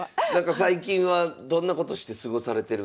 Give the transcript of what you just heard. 最近はどんなことして過ごされてるんでしょうか。